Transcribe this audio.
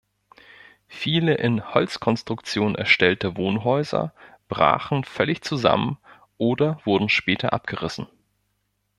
Viele in Holzkonstruktion erstellte Wohnhäuser brachen völlig zusammen oder wurden später abgerissen.